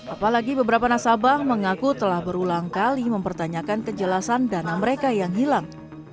apalagi beberapa nasabah mengaku telah berulang kali mempertanyakan kejelasan dana mereka yang hilang